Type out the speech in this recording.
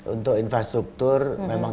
untuk infrastruktur memang